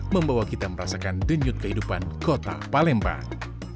membawa kita merasakan denyut kehidupan kota palembang